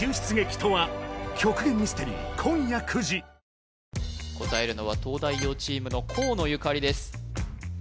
「クラフトボス」答えるのは東大王チームの河野ゆかりです